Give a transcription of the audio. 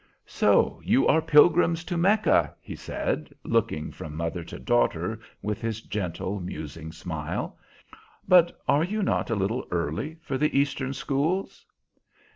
"So you are pilgrims to Mecca," he said, looking from mother to daughter with his gentle, musing smile. "But are you not a little early for the Eastern schools?"